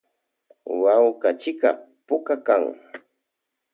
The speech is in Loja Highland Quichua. Kawkachika puka kan.